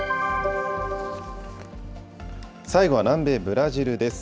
最後は南米ブラジルです。